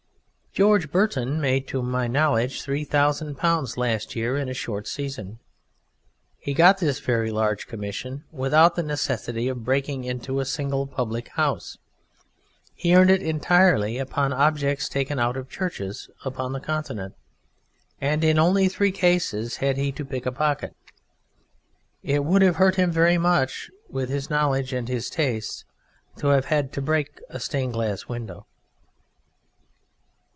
George Burton made to my knowledge three thousand pounds last year in a short season; he got this very large commission without the necessity of breaking into a single public house; he earned it entirely upon objects taken out of churches upon the Continent, and in only three cases had he to pick a pocket. It would have hurt him very much with his knowledge and tastes to have had to break a stained glass window.